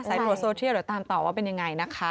ใสโทรโซเทียหรือตามตอบว่าเป็นอย่างไรนะคะ